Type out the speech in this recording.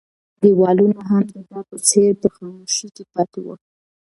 دیوالونه هم د ده په څېر په خاموشۍ کې پاتې وو.